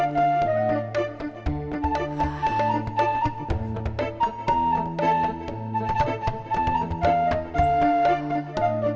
bagaimana perubahan itu